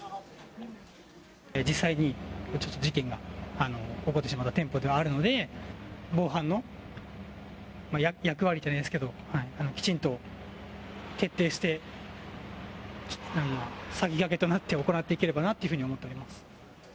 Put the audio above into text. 実際に事件が起こってしまった店舗ではあるので、防犯の役割じゃないですけど、きちんと徹底して、先駆けとなって行っていければなと思っております。